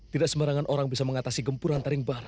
tidak semerangan orang bisa mengatasi gempuran taring bar